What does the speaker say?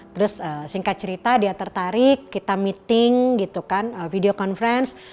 terus singkat cerita dia tertarik kita meeting gitu kan video conference